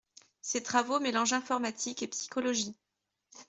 Ses travaux mélangent informatique et psychologie.